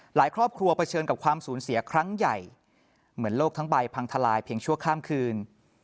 ครอบครัวเผชิญกับความสูญเสียครั้งใหญ่เหมือนโลกทั้งใบพังทลายเพียงชั่วข้ามคืน